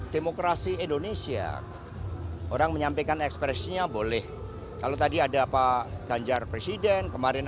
demokrasi indonesia orang menyampaikan ekspresinya boleh kalau tadi ada pak ganjar presiden kemarin